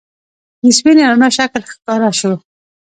د سپینې رڼا شکل ښکاره شو.